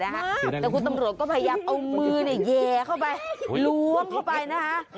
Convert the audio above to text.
แต่คุณตำรวจก็พยายามเอามือแย่เข้าไปล้วงเข้าไปนะคะ